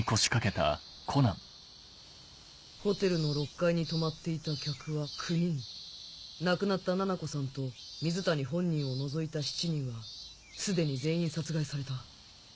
ホテルの６階に泊まっていた客は９人亡くなったななこさんと水谷本人を除いた７人はすでに全員殺害された